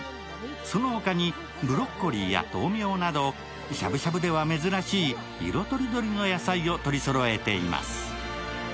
その他に、ブロッコリーやとうみょうなどしゃぶしゃぶでは珍しい色とりどりの野菜を取りそろえています。